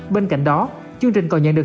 bên cạnh đó chương trình còn nhận được